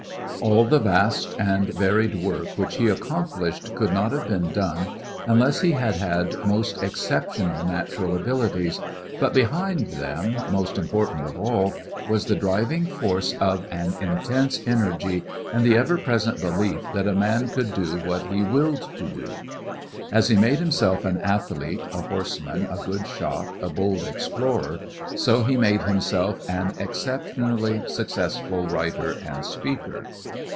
All the vast and varied work which he accomplished could not have been done unless he had had most exceptional natural abilities, but behind them, most important of all, was the driving force of an intense energy and the ever present belief that a man could do what he willed to do. As he made himself an athlete, a horseman, a good shot, a bold explorer, so he made himself an exceptionally successful writer and speaker.